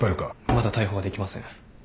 まだ逮捕はできません。